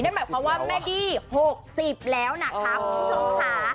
หมายความว่าแม่ดี้๖๐แล้วนะคะคุณผู้ชมค่ะ